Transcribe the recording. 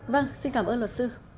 vâng xin cảm ơn luật sư